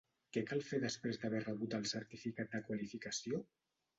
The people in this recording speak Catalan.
Què cal fer després d'haver rebut el certificat de qualificació?